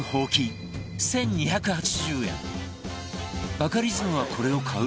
バカリズムはこれを買う？